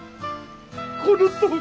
このとおり。